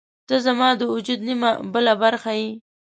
• ته زما د وجود نیمه بله برخه یې.